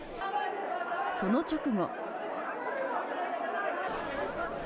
その直後。